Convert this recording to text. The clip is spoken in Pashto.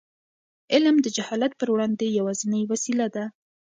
علم د جهالت پر وړاندې یوازینۍ وسله ده.